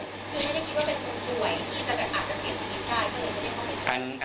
คิดว่าเป็นคนรวยที่อาจจะเสียชนิดได้